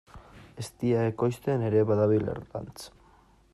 Eztia ekoizten ere badabil Erlanz.